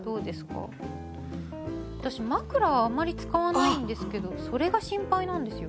私枕はあんまり使わないんですけどそれが心配なんですよ。